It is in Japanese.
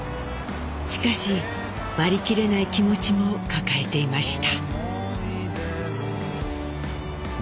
しかし割り切れない気持ちも抱えていました。